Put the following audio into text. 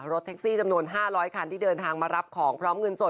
รถแท็กซี่จำนวน๕๐๐คันที่เดินทางมารับของพร้อมเงินสด